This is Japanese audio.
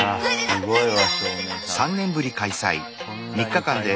すごいな。